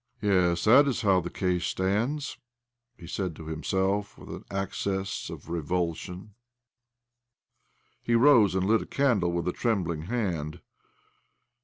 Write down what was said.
" Yes, that is how the case stands," he said to himself with an access of revulsion. He rose and lit a candle with a trembling hand.